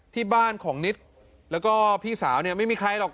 ที่บ้านของนิดแล้วก็พี่สาวเนี่ยไม่มีใครหรอก